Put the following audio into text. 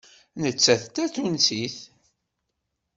Nettat d Tatunsit.